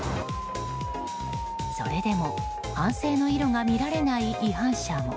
それでも、反省の色が見られない違反者も。